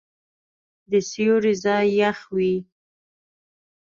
د سیوري ځای یخ وي.